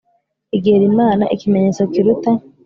Egera Imana Ikimenyetso kiruta